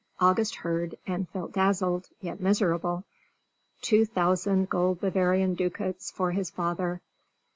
August heard, and felt dazzled yet miserable. Two thousand gold Bavarian ducats for his father!